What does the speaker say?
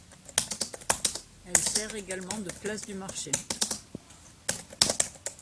Elle sert également de place du marché.